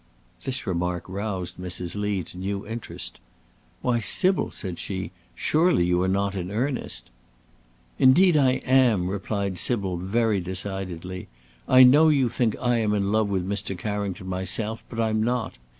This remark roused Mrs. Lee to new interest: "Why, Sybil," said she, "surely you are not in earnest?" "Indeed, I am," replied Sybil, very decidedly. "I know you think I am in love with Mr. Carrington myself, but I'm not.